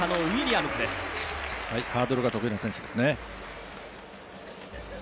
ハードルが得意な選手ですね。